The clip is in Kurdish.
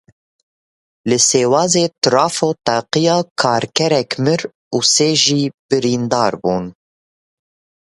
Li Sêwazê trafo teqiya Karkerek mir û sê jî birîndar bûn.